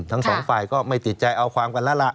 ทั้งสองฝ่ายก็ไม่ติดใจเอาความกันแล้วล่ะ